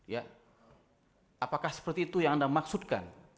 ya apakah seperti itu yang anda maksudkan